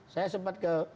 saya sempat ke